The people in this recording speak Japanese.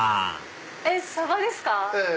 えっサバですか